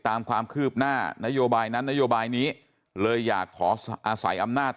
ตามความคืบหน้านโยบายนั้นนโยบายนี้เลยอยากขออาศัยอำนาจ